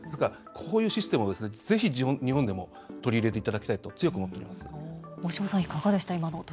こういうシステムをぜひ日本でも取り入れていただきたいと大島さん、いかがでした？